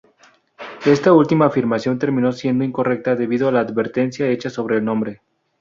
Esta última afirmación terminó siendo incorrecta debido a la advertencia hecha sobre el nombre.